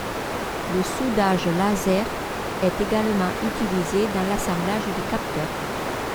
Le soudage laser est également utilisé dans l'assemblage des capteurs.